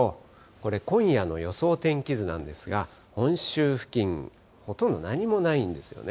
これ、今夜の予想天気図なんですが、本州付近、ほとんど何もないんですよね。